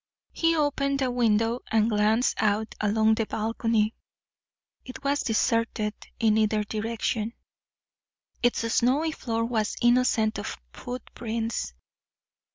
He opened a window and glanced out along the balcony. It was deserted in either direction; its snowy floor was innocent of footprints.